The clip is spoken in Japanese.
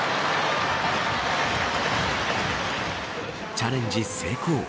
チャレンジ成功。